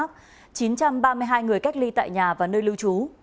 trong đó chín trăm ba mươi hai người cách ly tại nhà và nơi lưu trú